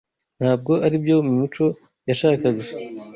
Ntabwo aribyo Mico yashakaga?